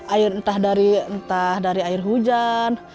air entah dari air hujan